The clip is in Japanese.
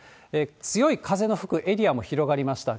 強い風の吹くエリアも広がりました。